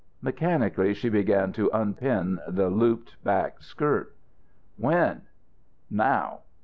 Mechanically she began to unpin the looped back skirt. "When?" "Now."